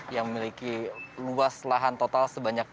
yang memiliki luas lahan total sebanyak